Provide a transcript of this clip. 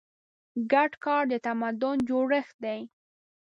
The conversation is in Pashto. ګډ کار د تمدن جوړښت دی.